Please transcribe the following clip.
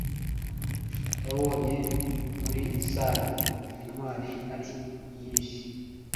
Yabonye muri salle intwari ari nyinshi